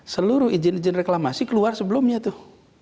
seluruh izin izin reklamasi keluar sebelumnya tuh